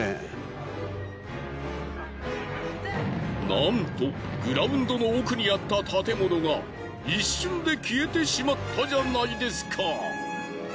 なんとグラウンドの奥にあった建物が一瞬で消えてしまったじゃないですか。